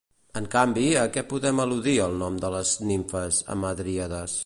En canvi, a què poden al·ludir els noms de les nimfes hamadríades?